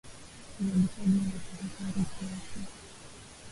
Uzalishaji wenye tahadhari kiafya